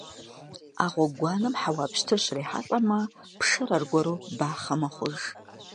А гъуэгуанэм хьэуа пщтыр щрихьэлӀэмэ, пшэр аргуэру бахъэ мэхъуж.